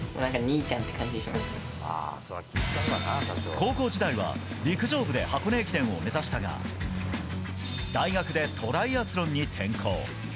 高校時代は、陸上部で箱根駅伝を目指したが大学でトライアスロンに転向。